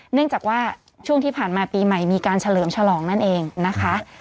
เนื่องจากว่าช่วงที่ผ่านมาปีใหม่มีการเฉลิมฉลองนั่นเองนะคะ